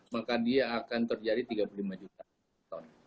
maka dia akan terjadi tiga puluh lima juta ton